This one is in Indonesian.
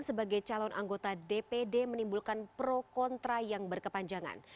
sebagai calon anggota dpd menimbulkan pro kontra yang berkepanjangan